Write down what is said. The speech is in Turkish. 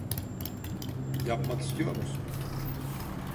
Yapmak istiyor musun?